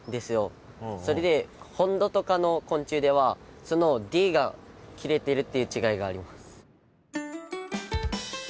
それで本土とかの昆虫ではそのＤが切れてるっていう違いがあります。